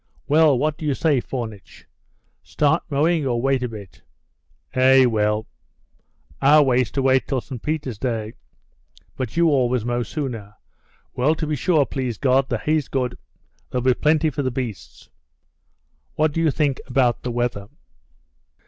"Well, what do you say, Fomitch—start mowing or wait a bit?" "Eh, well. Our way's to wait till St. Peter's Day. But you always mow sooner. Well, to be sure, please God, the hay's good. There'll be plenty for the beasts." "What do you think about the weather?"